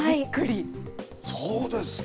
そうですか。